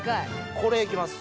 これ行きます。